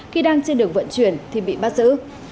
khi đang trên đường vận chuyển thì bị bắt giữ